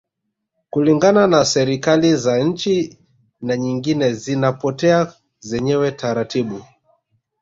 Kulingana na serikali za nchi na nyingine zinapotea zenyewe taratibu